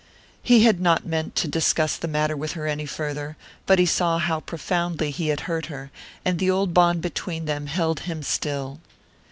He had not meant to discuss the matter with her any further, but he saw how profoundly he had hurt her, and the old bond between them held him still.